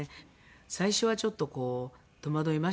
最初はちょっとこう戸惑いましたけど。